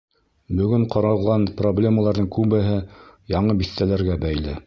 — Бөгөн ҡаралған проблемаларҙың күбеһе яңы биҫтәләргә бәйле.